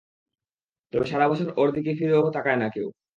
তবে সারাবছর ওর দিক ফিরেও তাকায় না কেউ।